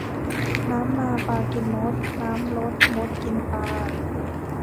น้ำมาปลากินมด น้ำลดมดกินปลา